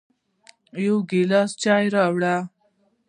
يو ګیلاس چای راوړه